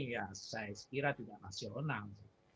ya saya kira tidak nasional